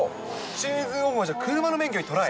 シーズンオフは車の免許にトライ？